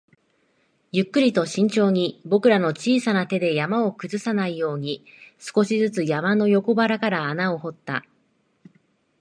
ゆっくりと慎重に、僕らの小さな手で山を崩さないように、少しずつ山の横腹から穴を掘った